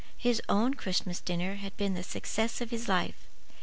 His own Christmas dinner had been the success of his life.